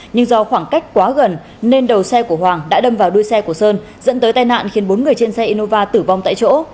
nhưng do khoảng cách quá gần nên đầu xe của hoàng đã đâm vào đuôi xe của sơn dẫn tới tai nạn khiến bốn người trên xe innova tử vong tại chỗ